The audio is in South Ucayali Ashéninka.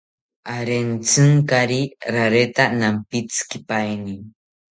Arentzinkari rareta nampitzikipaeni